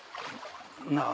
なぁ